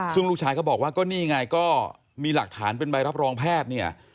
ซึ่งลูกชายก็บอกว่าก็นี่ไงก็มีหลักฐานเป็นใบรับรองแพทย์เนี่ย